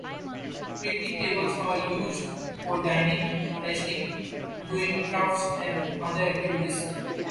Picnic tables are used for dining, resting, doing crafts, and other activities.